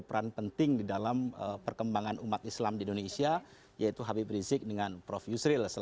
prabowo tidak pernah menjelek jelekkan yusril